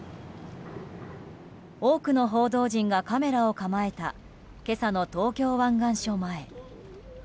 多くの報道陣がカメラを構えた今朝の東京湾岸署前。